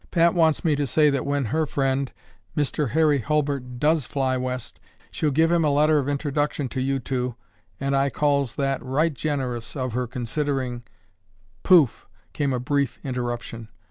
Pat wants me to say that when her friend Mister Harry Hulbert does fly West, she'll give him a letter of introduction to you two and I calls that right generous of her considering—" "Pouff!" came a brief interruption.